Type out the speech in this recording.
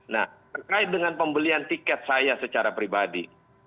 nah terkait dengan pembelian tiket saya secara pribadi